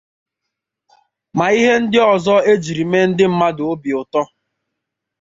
tinyere ihe ndị ọzọ e jiri mee ndị mmadụ obi ụtọ